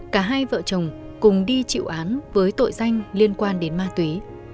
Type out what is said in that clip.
cả hai vợ chồng cùng đi chịu án với tội danh liên quan đến ma túy